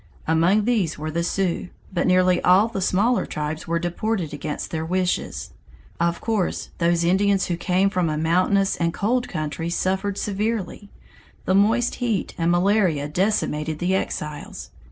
Among these were the Sioux, but nearly all the smaller tribes were deported against their wishes. Of course those Indians who came from a mountainous and cold country suffered severely. The moist heat and malaria decimated the exiles.